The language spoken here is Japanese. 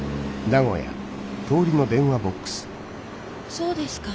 そうですか。